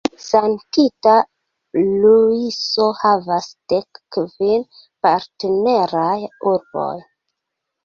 Sankta Luiso havas dek kvin partneraj urboj.